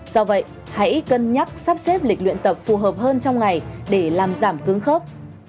do vậy hãy cân nhắc sắp xếp lịch luyện tập phù hợp hơn trong ngày để làm giảm cứng khớp